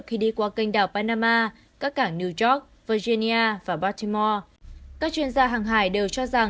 khi đi qua kênh đảo panama các cảng new york virginia và bartimore các chuyên gia hàng hải đều cho rằng